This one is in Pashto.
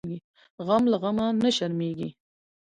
غم له غمه نه شرمیږي .